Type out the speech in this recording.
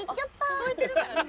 聞こえてるからね